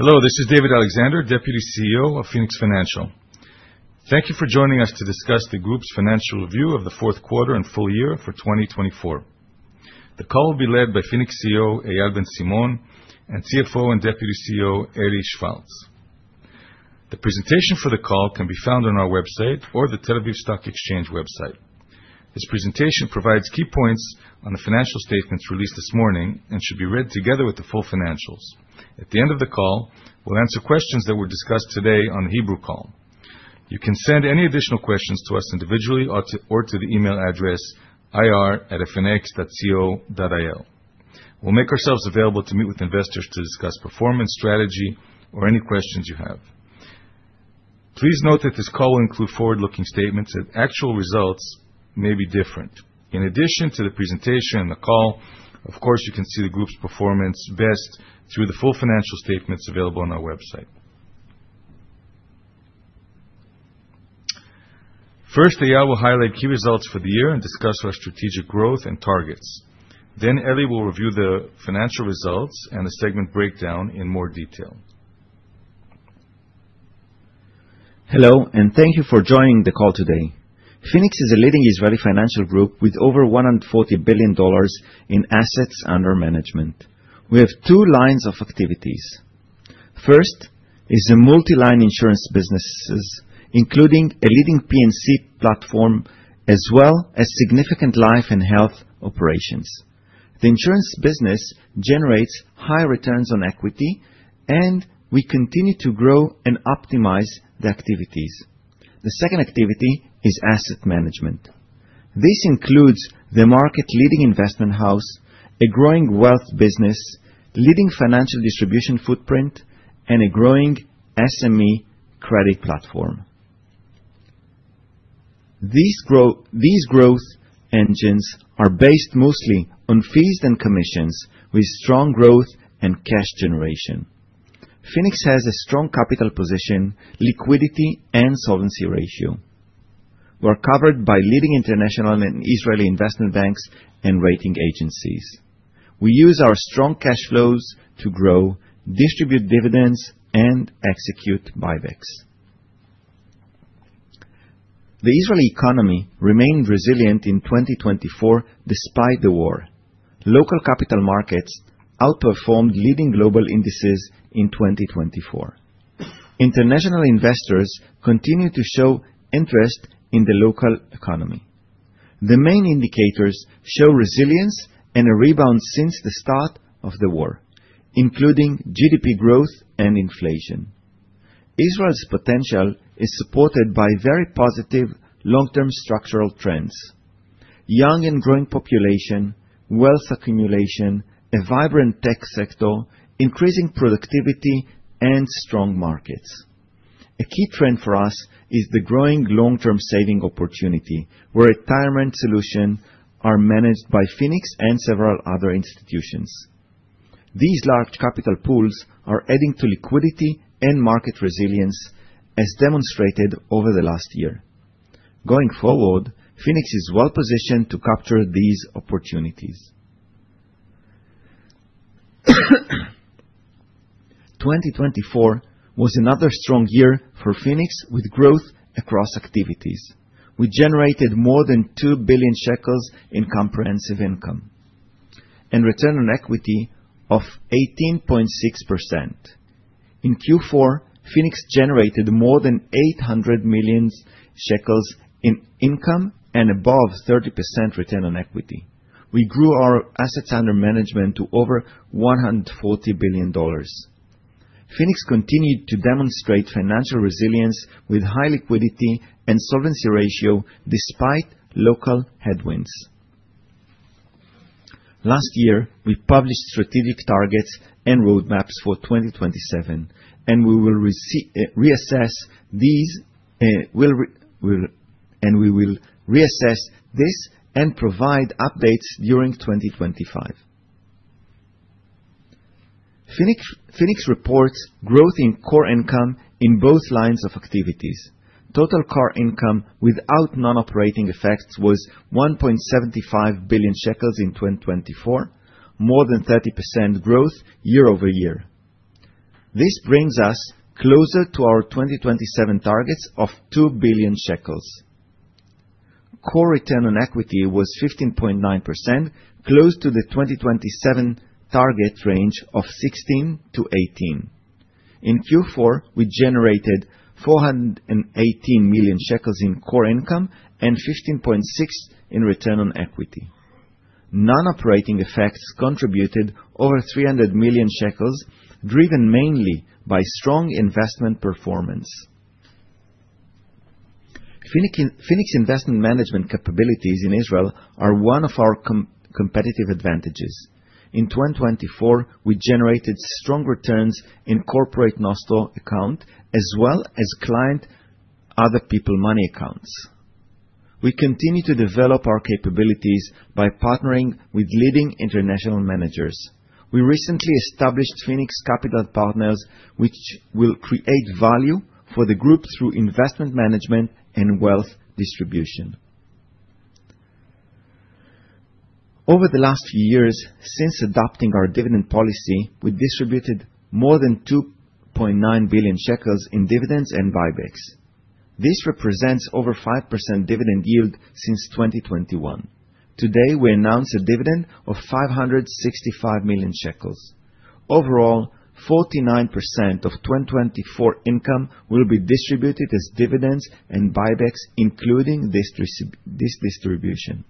Hello, this is David Alexander, Deputy CEO of Phoenix Financial. Thank you for joining us to discuss the group's financial review of the fourth quarter and full year for 2024. The call will be led by Phoenix CEO, Eyal BenSimon, and CFO and Deputy CEO, Eli Schwartz. The presentation for the call can be found on our website or the Tel Aviv Stock Exchange website. This presentation provides key points on the financial statements released this morning and should be read together with the full financials. At the end of the call, we'll answer questions that were discussed today on the Hebrew call. You can send any additional questions to us individually or to the email address ir@phoenix.co.il. We'll make ourselves available to meet with investors to discuss performance, strategy, or any questions you have. Please note that this call will include forward-looking statements and actual results may be different. In addition to the presentation and the call, of course, you can see the group's performance best through the full financial statements available on our website. First, Eyal will highlight key results for the year and discuss our strategic growth and targets. Eli will review the financial results and the segment breakdown in more detail. Hello, and thank you for joining the call today. Phoenix is a leading Israeli financial group with over $140 billion in assets under management. We have two lines of activities. First is the multi-line insurance businesses, including a leading P&C platform, as well as significant life and health operations. The insurance business generates high returns on equity, and we continue to grow and optimize the activities. The second activity is asset management. This includes the market-leading investment house, a growing wealth business, leading financial distribution footprint, and a growing SME credit platform. These growth engines are based mostly on fees and commissions with strong growth and cash generation. Phoenix has a strong capital position, liquidity, and solvency ratio. We're covered by leading international and Israeli investment banks and rating agencies. We use our strong cash flows to grow, distribute dividends, and execute buybacks. The Israeli economy remained resilient in 2024 despite the war. Local capital markets outperformed leading global indices in 2024. International investors continue to show interest in the local economy. The main indicators show resilience and a rebound since the start of the war, including GDP growth and inflation. Israel's potential is supported by very positive long-term structural trends: young and growing population, wealth accumulation, a vibrant tech sector, increasing productivity, and strong markets. A key trend for us is the growing long-term saving opportunity, where retirement solutions are managed by Phoenix and several other institutions. These large capital pools are adding to liquidity and market resilience, as demonstrated over the last year. Going forward, Phoenix is well-positioned to capture these opportunities. 2024 was another strong year for Phoenix, with growth across activities. We generated more than 2 billion shekels in comprehensive income and return on equity of 18.6%. In Q4, Phoenix generated more than 800 million shekels in income and above 30% return on equity. We grew our assets under management to over $140 billion. Phoenix continued to demonstrate financial resilience with high liquidity and solvency ratio despite local headwinds. Last year, we published strategic targets and roadmaps for 2027. We will reassess this and provide updates during 2025. Phoenix reports growth in core income in both lines of activities. Total core income without non-operating effects was 1.75 billion shekels in 2024, more than 30% growth year-over-year. This brings us closer to our 2027 targets of 2 billion shekels. Core return on equity was 15.9%, close to the 2027 target range of 16%-18%. In Q4, we generated 418 million shekels in core income and 15.6% in return on equity. Non-operating effects contributed over 300 million shekels, driven mainly by strong investment performance. Phoenix investment management capabilities in Israel are one of our competitive advantages. In 2024, we generated strong returns in corporate Nostro account as well as client other people's money accounts. We continue to develop our capabilities by partnering with leading international managers. We recently established Phoenix Capital Partners, which will create value for the group through investment management and wealth distribution. Over the last few years since adopting our dividend policy, we distributed more than 2.9 billion shekels in dividends and buybacks. This represents over 5% dividend yield since 2021. Today, we announce a dividend of 565 million shekels. Overall, 49% of 2024 income will be distributed as dividends and buybacks, including this distribution.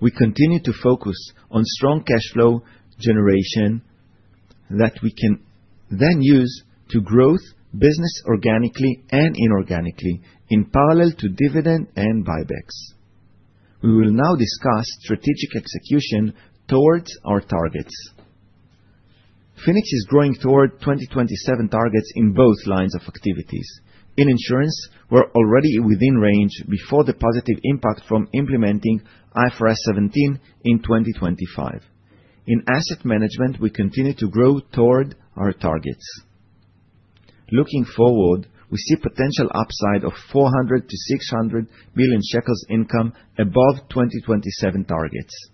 We continue to focus on strong cash flow generation that we can then use to grow the business organically and inorganically in parallel to dividend and buybacks. We will now discuss strategic execution towards our targets. Phoenix is growing toward 2027 targets in both lines of activities. In insurance, we're already within range before the positive impact from implementing IFRS 17 in 2025. In asset management, we continue to grow toward our targets. Looking forward, we see potential upside of 400 million-600 million shekels income above 2027 targets.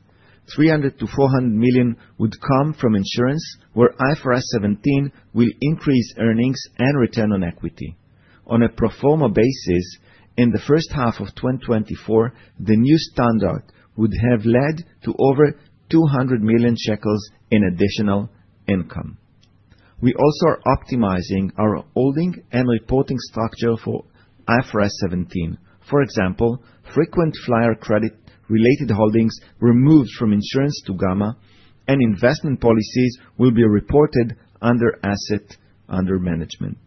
300 million-400 million would come from insurance, where IFRS 17 will increase earnings and return on equity. On a pro forma basis, in the first half of 2024, the new standard would have led to over 200 million shekels in additional income. We also are optimizing our holding and reporting structure for IFRS 17. For example, frequent flyer credit related holdings were moved from insurance to Gamma. Investment policies will be reported under assets under management.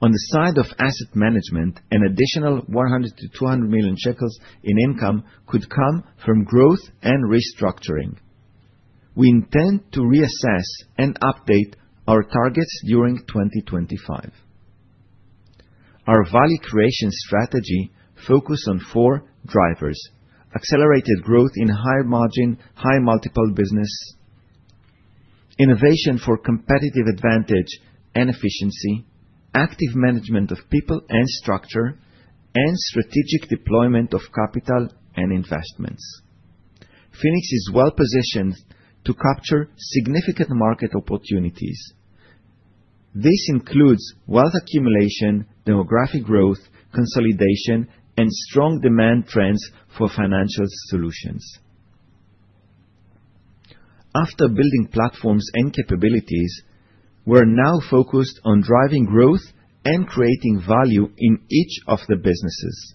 On the side of asset management, an additional 100 million-200 million shekels in income could come from growth and restructuring. We intend to reassess and update our targets during 2025. Our value creation strategy focus on four drivers: accelerated growth in high margin, high multiple business, innovation for competitive advantage and efficiency, active management of people and structure, and strategic deployment of capital and investments. Phoenix is well-positioned to capture significant market opportunities. This includes wealth accumulation, demographic growth, consolidation, and strong demand trends for financial solutions. After building platforms and capabilities, we're now focused on driving growth and creating value in each of the businesses.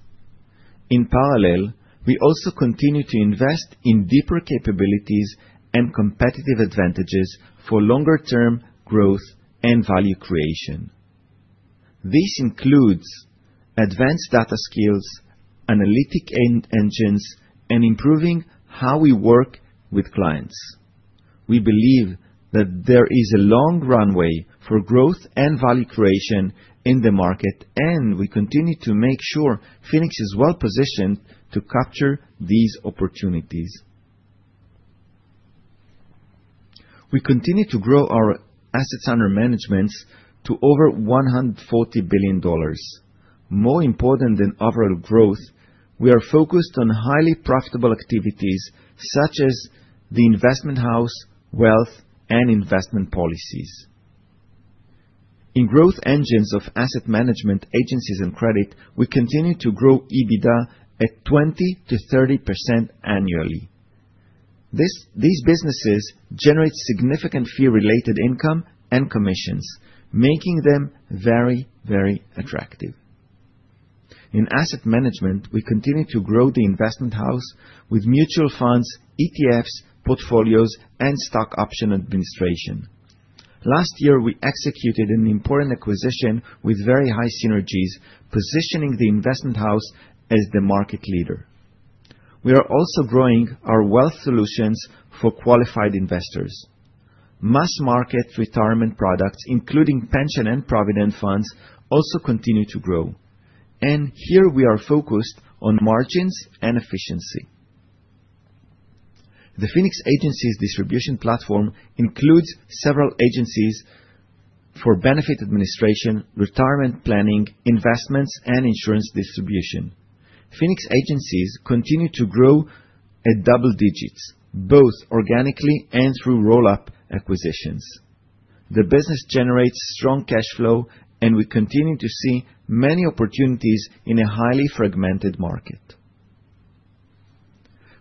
In parallel, we also continue to invest in deeper capabilities and competitive advantages for longer-term growth and value creation. This includes advanced data skills, analytics engines, and improving how we work with clients. We believe that there is a long runway for growth and value creation in the market, we continue to make sure Phoenix is well-positioned to capture these opportunities. We continue to grow our assets under management to over $140 billion. More important than overall growth, we are focused on highly profitable activities such as the Investment House, wealth, and investment policies. In growth engines of asset management agencies and credit, we continue to grow EBITDA at 20%-30% annually. These businesses generate significant fee-related income and commissions, making them very, very attractive. In asset management, we continue to grow the Investment House with mutual funds, ETFs, portfolios, and stock option administration. Last year, we executed an important acquisition with very high synergies, positioning the Investment House as the market leader. We are also growing our wealth solutions for qualified investors. Mass market retirement products, including pension and provident funds, also continue to grow. Here we are focused on margins and efficiency. The Phoenix Agencies distribution platform includes several agencies for benefit administration, retirement planning, investments, and insurance distribution. Phoenix Agencies continue to grow at double digits, both organically and through roll-up acquisitions. The business generates strong cash flow, we continue to see many opportunities in a highly fragmented market.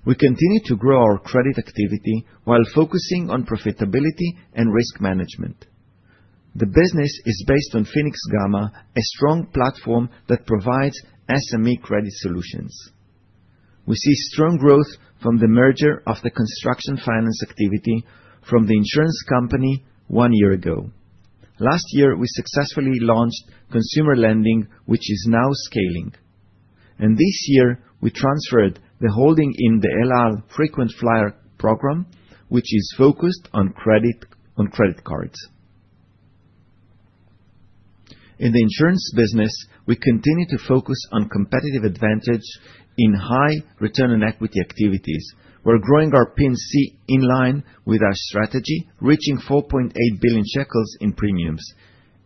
We continue to grow our credit activity while focusing on profitability and risk management. The business is based on Phoenix-Gama, a strong platform that provides SME credit solutions. We see strong growth from the merger of the Construction Finance activity from the insurance company one year ago. Last year, we successfully launched consumer lending, which is now scaling. This year, we transferred the holding in the EL AL Frequent Flyer Program, which is focused on credit cards. In the insurance business, we continue to focus on competitive advantage in high return on equity activities. We are growing our P&C in line with our strategy, reaching 4.8 billion shekels in premiums.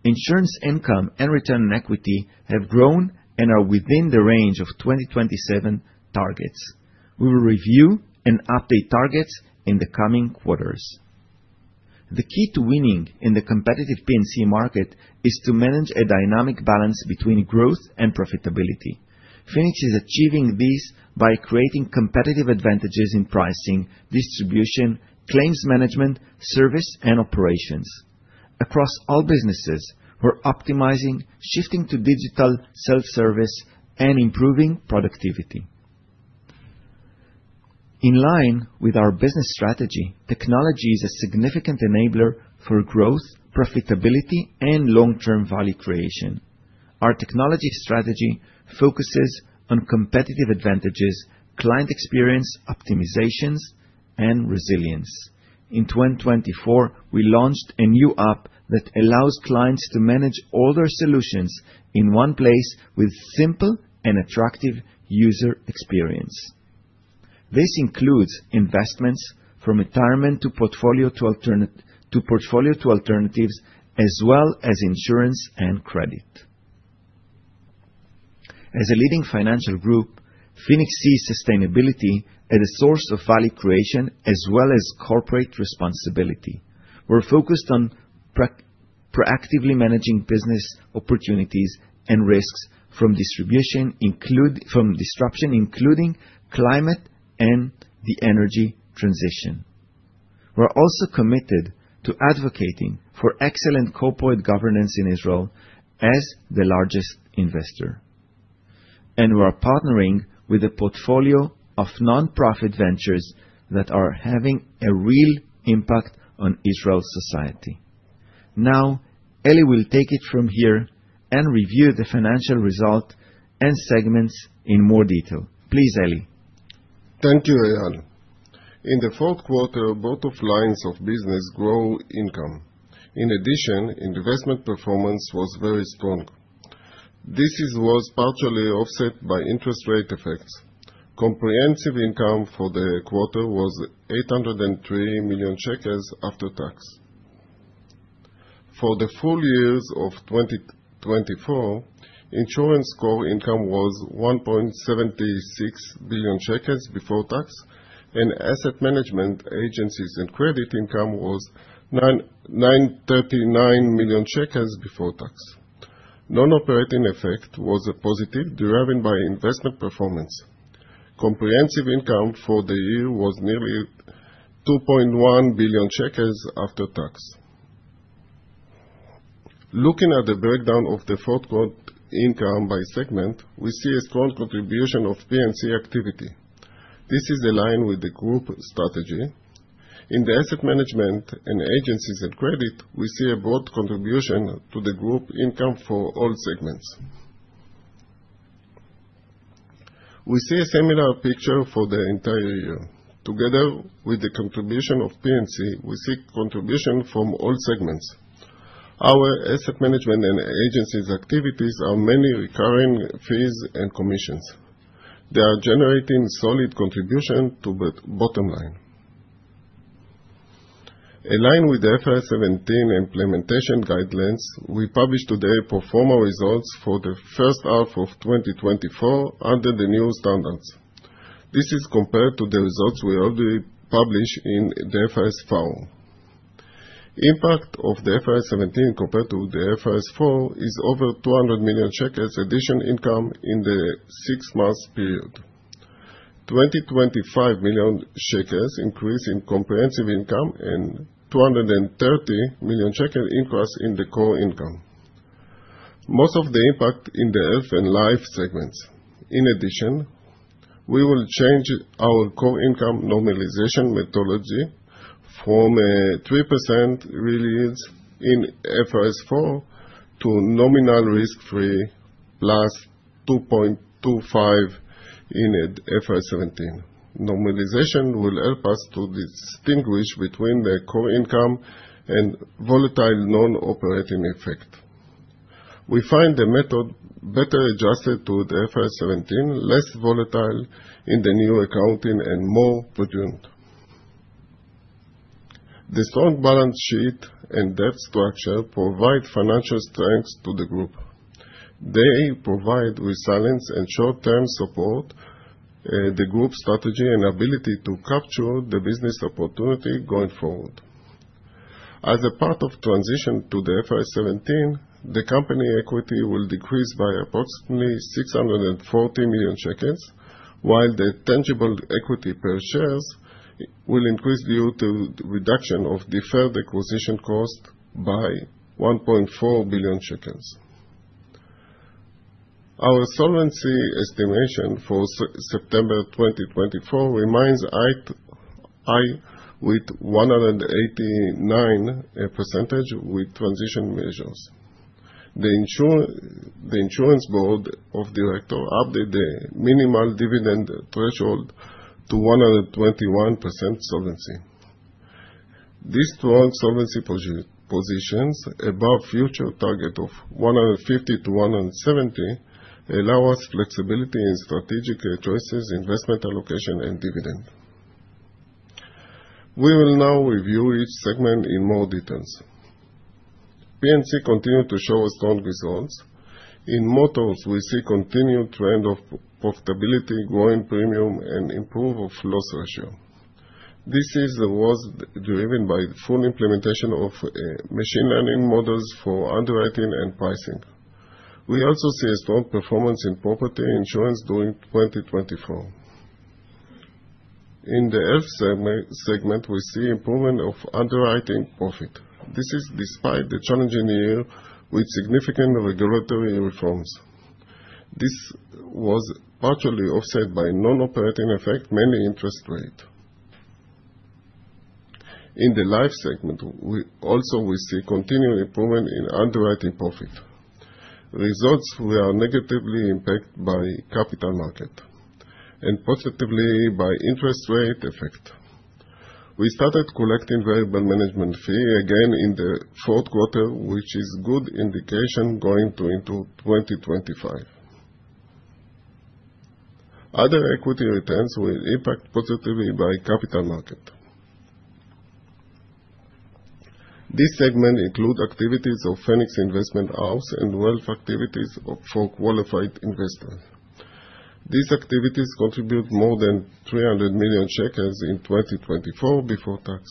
Insurance income and return on equity have grown and are within the range of 2027 targets. We will review and update targets in the coming quarters. The key to winning in the competitive P&C market is to manage a dynamic balance between growth and profitability. Phoenix is achieving this by creating competitive advantages in pricing, distribution, claims management, service, and operations. Across all businesses, we are optimizing, shifting to digital self-service, and improving productivity. In line with our business strategy, technology is a significant enabler for growth, profitability, and long-term value creation. Our technology strategy focuses on competitive advantages, client experience optimizations, and resilience. In 2024, we launched a new app that allows clients to manage all their solutions in one place with simple and attractive user experience. This includes investments from retirement to portfolio to alternatives, as well as insurance and credit. As a leading financial group, Phoenix sees sustainability as a source of value creation as well as corporate responsibility. We are focused on proactively managing business opportunities and risks from disruption, including climate and the energy transition. We are also committed to advocating for excellent corporate governance in Israel as the largest investor. We are partnering with a portfolio of nonprofit ventures that are having a real impact on Israel's society. Now, Eli will take it from here and review the financial result and segments in more detail. Please, Eli. Thank you, Eyal. In the fourth quarter, both lines of business grow income. In addition, investment performance was very strong. This was partially offset by interest rate effects. Comprehensive income for the quarter was 803 million shekels after tax. For the full years of 2024, insurance core income was 1.76 billion shekels before tax, asset management agencies and credit income was 939 million shekels before tax. Non-operating effect was positive, driven by investment performance. Comprehensive income for the year was nearly 2.1 billion shekels after tax. Looking at the breakdown of the fourth quarter income by segment, we see a strong contribution of P&C activity. This is in line with the group strategy. In the asset management and agencies and credit, we see a broad contribution to the group income for all segments. We see a similar picture for the entire year. Together with the contribution of P&C, we see contribution from all segments. Our asset management and agencies activities are mainly recurring fees and commissions. They are generating solid contribution to bottom line. In line with the IFRS 17 implementation guidelines, we publish today pro forma results for the first half of 2024 under the new standards. This is compared to the results we already published in the IFRS 4. Impact of the IFRS 17 compared to the IFRS 4 is over 200 million shekels additional income in the six months period. 225 million shekels increase in comprehensive income and 230 million shekels increase in the core income. Most of the impact in the health and life segments. In addition, we will change our core income normalization methodology from a 3% release in IFRS 4 to nominal risk-free plus 2.25% in IFRS 17. Normalization will help us to distinguish between the core income and volatile non-operating effect. We find the method better adjusted to the IFRS 17, less volatile in the new accounting, and more pertinent. The strong balance sheet and debt structure provide financial strength to the group. They provide resilience and short-term support the group strategy and ability to capture the business opportunity going forward. As a part of transition to the IFRS 17, the company equity will decrease by approximately 640 million shekels, while the tangible equity per shares will increase due to reduction of deferred acquisition cost by 1.4 billion shekels. Our solvency estimation for September 2024 remains high with 189% with transition measures. The insurance board of director update the minimal dividend threshold to 121% solvency. These strong solvency positions above future target of 150%-170% allow us flexibility in strategic choices, investment allocation, and dividend. We will now review each segment in more details. P&C continued to show strong results. In motors, we see continued trend of profitability, growing premium, and improve of loss ratio. This was driven by full implementation of machine learning models for underwriting and pricing. We also see a strong performance in property insurance during 2024. In the health segment, we see improvement of underwriting profit. This is despite the challenging year with significant regulatory reforms. This was partially offset by non-operating effect, mainly interest rate. In the life segment, also we see continued improvement in underwriting profit. Results were negatively impacted by capital market and positively by interest rate effect. We started collecting variable management fee again in the fourth quarter, which is good indication going into 2025. Other equity returns were impacted positively by capital market. This segment include activities of Phoenix Investment House and wealth activities for qualified investors. These activities contribute more than 300 million shekels in 2024 before tax.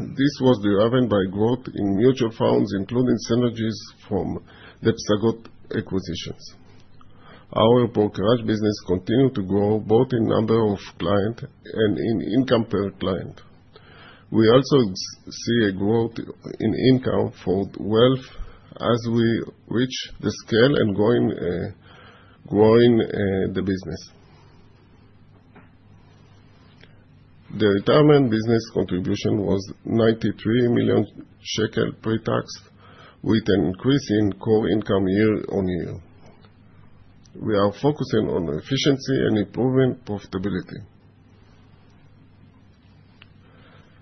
This was driven by growth in mutual funds, including synergies from the Psagot acquisitions. Our brokerage business continued to grow both in number of client and in income per client. We also see a growth in income for wealth as we reach the scale and growing the business. The retirement business contribution was 93 million shekel pre-tax, with an increase in core income year-on-year. We are focusing on efficiency and improving profitability.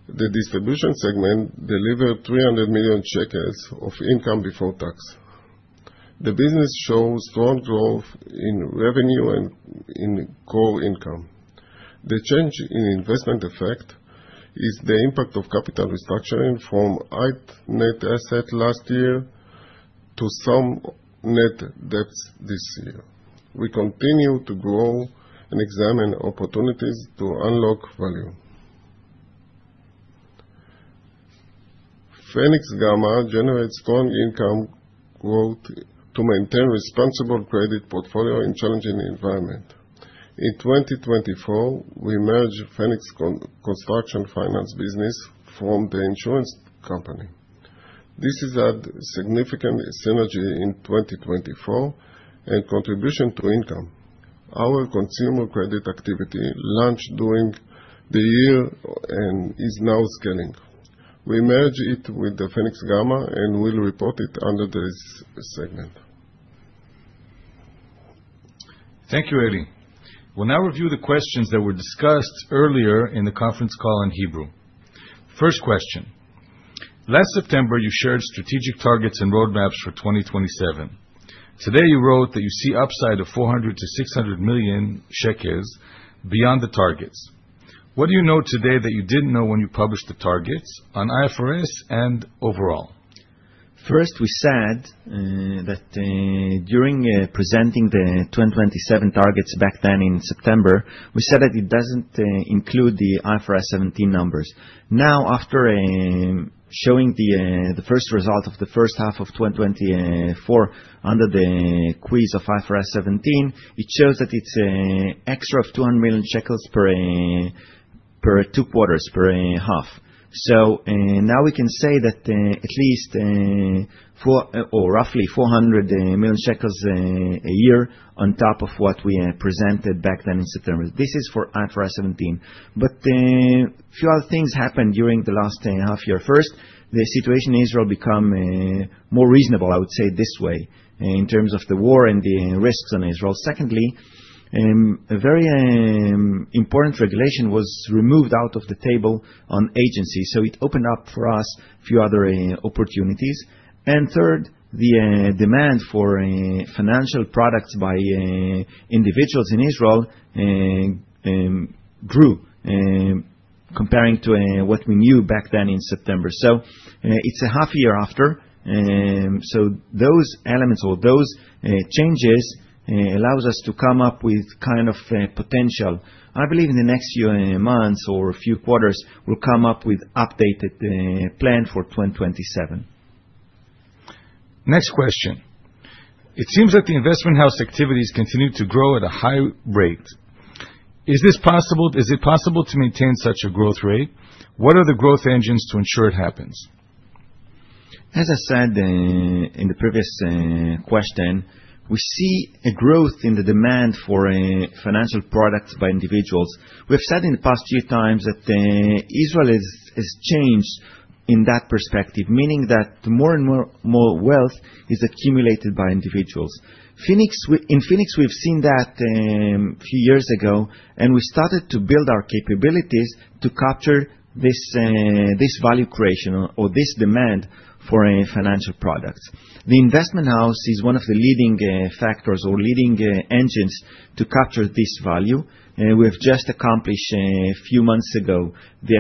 The distribution segment delivered 300 million shekels of income before tax. The business shows strong growth in revenue and in core income. The change in investment effect is the impact of capital restructuring from high net asset last year to some net debts this year. We continue to grow and examine opportunities to unlock value. Phoenix-Gama generates strong income growth to maintain responsible credit portfolio in challenging environment. In 2024, we merged Phoenix Construction Finance business from the insurance company. This has had significant synergy in 2024 and contribution to income. Our consumer credit activity launched during the year and is now scaling. We merge it with the Phoenix-Gama and will report it under this segment. Thank you, Eli. We will now review the questions that were discussed earlier in the conference call in Hebrew. First question. Last September, you shared strategic targets and roadmaps for 2027. Today, you wrote that you see upside of 400 million-600 million shekels beyond the targets. What do you know today that you didn't know when you published the targets on IFRS and overall? First, we said that during presenting the 2027 targets back then in September, we said that it doesn't include the IFRS 17 numbers. Now, after showing the first result of the first half of 2024 under the quiz of IFRS 17, it shows that it's extra of 200 million shekels per two quarters, per half. So now we can say that at least roughly 400 million shekels a year on top of what we presented back then in September. This is for IFRS 17. But few other things happened during the last half year. First, the situation in Israel become more reasonable, I would say this way, in terms of the war and the risks on Israel. Secondly, a very important regulation was removed out of the table on agency, so it opened up for us a few other opportunities. Third, the demand for financial products by individuals in Israel grew, comparing to what we knew back then in September. It's a half year after. Those elements or those changes allows us to come up with kind of potential. I believe in the next few months or few quarters, we'll come up with updated plan for 2027. Next question. It seems that the investment house activities continue to grow at a high rate. Is it possible to maintain such a growth rate? What are the growth engines to ensure it happens? As I said in the previous question, we see a growth in the demand for financial products by individuals. We've said in the past few times that Israel has changed in that perspective, meaning that more and more wealth is accumulated by individuals. In Phoenix, we've seen that a few years ago, and we started to build our capabilities to capture this value creation or this demand for financial products. The investment house is one of the leading factors or leading engines to capture this value. We have just accomplished, a few months ago, the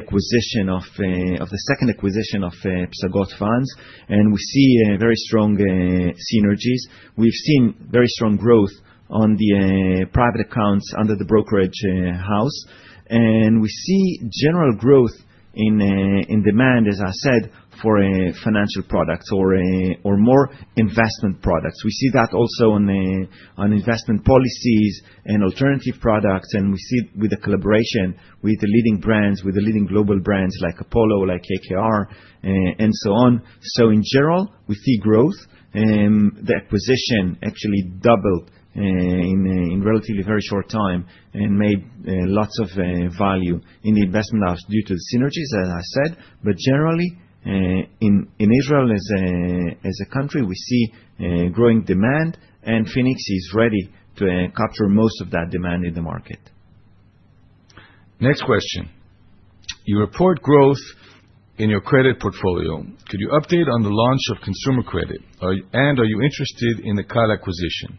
second acquisition of Psagot Funds, and we see very strong synergies. We've seen very strong growth on the private accounts under the brokerage house, and we see general growth in demand, as I said, for financial products or more investment products. We see that also on investment policies and alternative products. We see with the collaboration with the leading brands, with the leading global brands like Apollo, like KKR, and so on. In general, we see growth. The acquisition actually doubled in relatively very short time and made lots of value in the investment house due to synergies, as I said. Generally, in Israel as a country, we see a growing demand, and Phoenix is ready to capture most of that demand in the market. Next question. You report growth in your credit portfolio. Could you update on the launch of consumer credit? Are you interested in the Cal acquisition?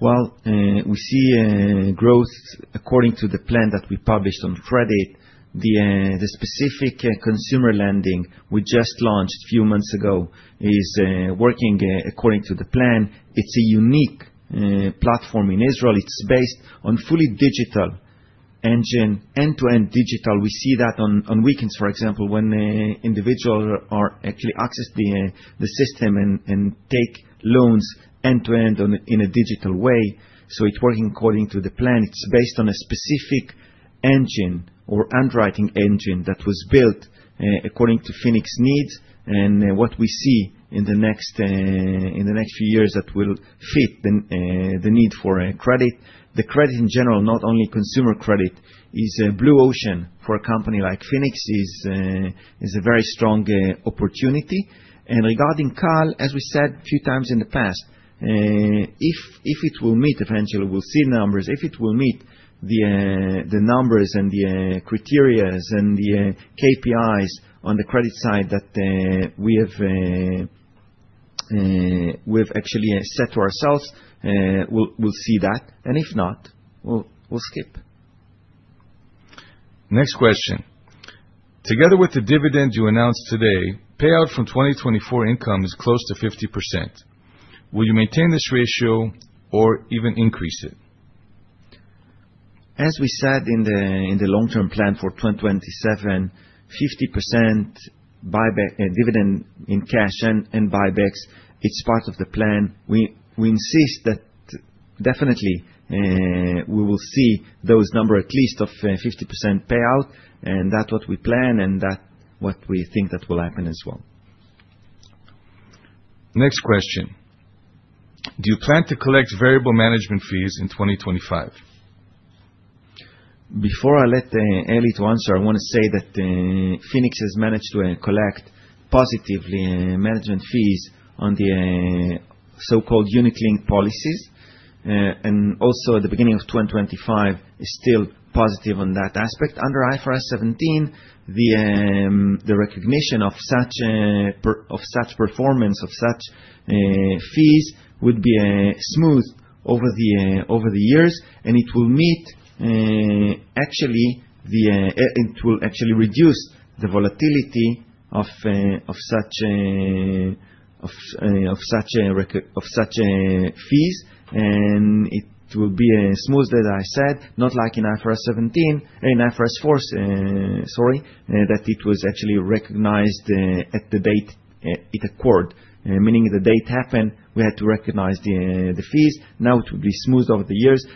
Well, we see growth according to the plan that we published on credit. The specific consumer lending we just launched a few months ago is working according to the plan. It's a unique platform in Israel. It's based on fully digital engine, end-to-end digital. We see that on weekends, for example, when individuals are actually accessing the system and take loans end-to-end in a digital way. It's working according to the plan. It's based on a specific engine or underwriting engine that was built according to Phoenix needs. What we see in the next few years that will fit the need for credit. The credit in general, not only consumer credit, is a blue ocean for a company like Phoenix. It's a very strong opportunity. Regarding Cal, as we said a few times in the past, if it will meet, eventually, we'll see numbers. If it will meet the numbers and the criteria and the KPIs on the credit side that we've actually set to ourselves, we'll see that. If not, we'll skip. Next question. Together with the dividend you announced today, payout from 2024 income is close to 50%. Will you maintain this ratio or even increase it? As we said in the long-term plan for 2027, 50% dividend in cash and buybacks, it's part of the plan. We insist that definitely we will see those number at least of 50% payout, and that's what we plan and that what we think that will happen as well. Next question. Do you plan to collect variable management fees in 2025? Before I let Eli to answer, I want to say that Phoenix has managed to collect positively management fees on the so-called unit-linked policies. Also at the beginning of 2025 is still positive on that aspect. Under IFRS 17, the recognition of such performance, of such fees would be smoothed over the years, and it will actually reduce the volatility of such fees. It will be smoothed, as I said, not like in IFRS 17, in IFRS 4, sorry, that it was actually recognized at the date it occurred, meaning the date happened, we had to recognize the fees. Now it will be smoothed over the years.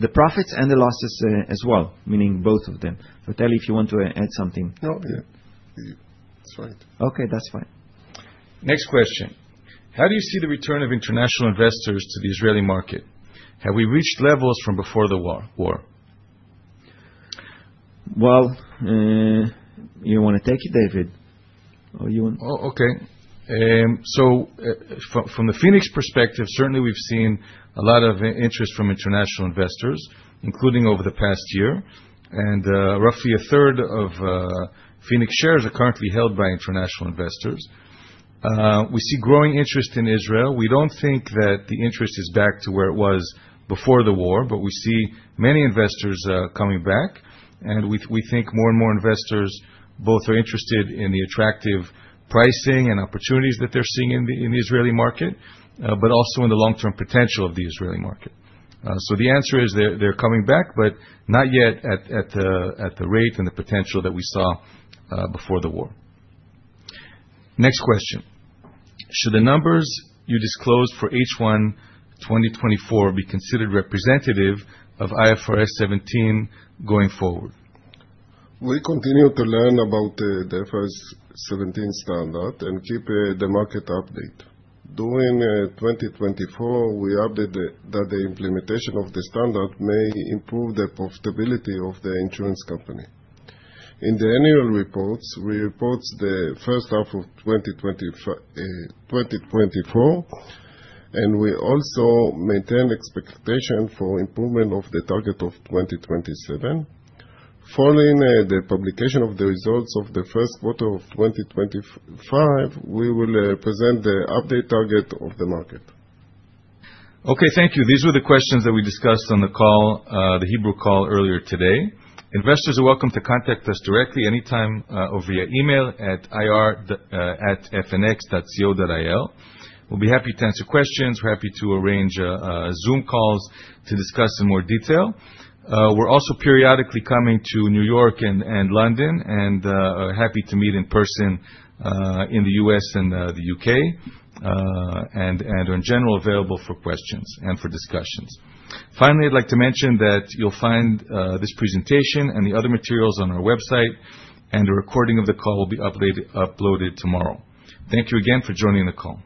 The profits and the losses as well, meaning both of them. Eli, if you want to add something. No. Yeah. That's right. Okay, that's fine. Next question. How do you see the return of international investors to the Israeli market? Have we reached levels from before the war? Well, you want to take it, David? Okay. From the Phoenix perspective, certainly we've seen a lot of interest from international investors, including over the past year, and roughly a 1/3 of Phoenix shares are currently held by international investors. We see growing interest in Israel. We don't think that the interest is back to where it was before the war, but we see many investors coming back. We think more and more investors both are interested in the attractive pricing and opportunities that they're seeing in the Israeli market, but also in the long-term potential of the Israeli market. The answer is, they're coming back, but not yet at the rate and the potential that we saw before the war. Next question. Should the numbers you disclosed for H1 2024 be considered representative of IFRS 17 going forward? We continue to learn about the IFRS 17 standard and keep the market update. During 2024, we updated that the implementation of the standard may improve the profitability of the insurance company. In the annual reports, we report the first half of 2024, and we also maintain expectation for improvement of the target of 2027. Following the publication of the results of the first quarter of 2025, we will present the update target of the market. Okay, thank you. These were the questions that we discussed on the call, the Hebrew call earlier today. Investors are welcome to contact us directly anytime over via email at ir@fnx.co.il. We'll be happy to answer questions. We're happy to arrange Zoom calls to discuss in more detail. We're also periodically coming to New York and London, and are happy to meet in person in the U.S. and the U.K., and in general, available for questions and for discussions. Finally, I'd like to mention that you'll find this presentation and the other materials on our website, and a recording of the call will be uploaded tomorrow. Thank you again for joining the call.